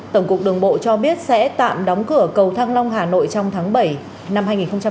tổng cục đường bộ cho biết sẽ tạm đóng cửa cầu thăng long hà nội trong tháng bảy năm hai nghìn hai mươi